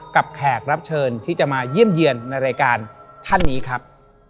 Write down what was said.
แขกรับเชิญที่จะมาเยี่ยมเยี่ยมในรายการท่านนี้ครับ